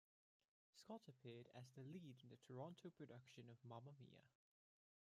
Scott appeared as the lead in the Toronto production of Mamma Mia!